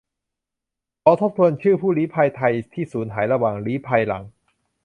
ขอทบทวนชื่อ ผู้ลี้ภัย ไทยที่สูญหายระหว่างลี้ภัยหลัง